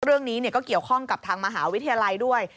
เรื่องนี้ก็เกี่ยวข้องกับทางมหาวิทยาลัยด้วย